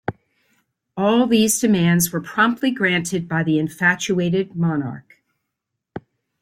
All these demands were promptly granted by the infatuated monarch.